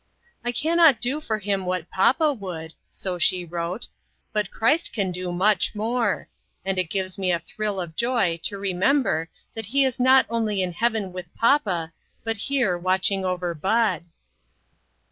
" I cannot do for him what papa would," so she wrote, " but Christ can do much more ; and it gives me a thrill of joy to remember that he is not only in heaven with papa, but here, watching for Bud."